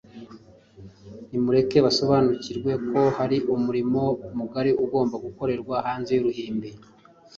Nimureke basobanukirwe ko hari umurimo mugari ugomba gukorerwa hanze y’uruhimbi